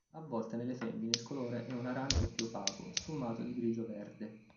A volte nelle femmine il colore è un arancio più opaco, sfumato di grigio-verde.